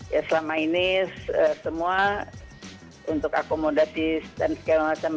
ya selama ini semua untuk akomodatif dan segala macam